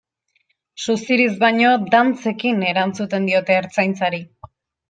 Suziriz baino, dantzekin erantzuten diote Ertzaintzari.